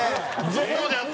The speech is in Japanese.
そこまでやって。